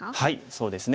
そうですね。